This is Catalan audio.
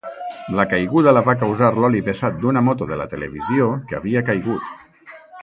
La caiguda la va causar l'oli vessat d'una moto de la televisió que havia caigut.